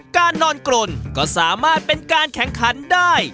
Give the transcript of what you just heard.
การนอนกรนก็สามารถเป็นการแข่งขันได้